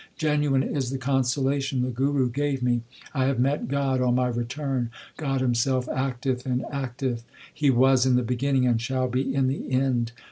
Genuine is the consolation the Guru gave me ; I have met God on my return. God Himself acted and acteth ; He was in the beginning and shall be in the end.